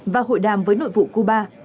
và hội đàm với nội vụ cuba